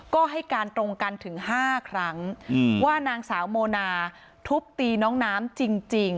ก็ให้การตรงกันถึง๕ครั้งว่านางสาวโมนาทุบตีน้องน้ำจริง